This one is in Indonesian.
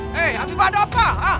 hei ami apa ada